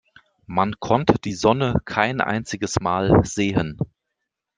Man konnte die Sonne kein einziges Mal sehen.